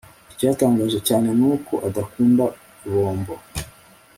icyantangaje cyane nuko adakunda bombo